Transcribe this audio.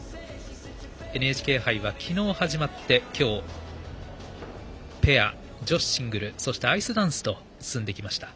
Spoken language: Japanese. ＮＨＫ杯は昨日始まって今日、ペア、女子シングルそしてアイスダンスと進んできました。